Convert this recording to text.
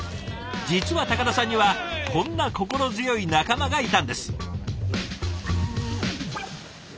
実は高田さんにはこんな心強い仲間がいたんです。